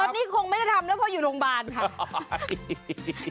ตอนนี้คงไม่ได้ทำแล้วเพราะอยู่โรงพยาบาลค่ะ